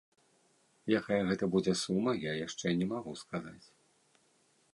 Якая гэта будзе сума, я яшчэ не магу сказаць.